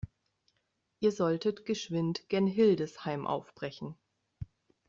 Ihr solltet geschwind gen Hildesheim aufbrechen.